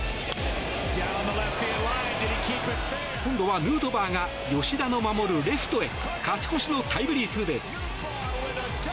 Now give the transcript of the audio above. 今度はヌートバーが吉田の守るレフトへ勝ち越しのタイムリーツーベース。